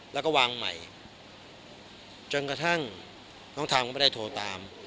แล้วก็วางใหม่จนกระทั่งน้องทามก็ไม่ได้โทรตาม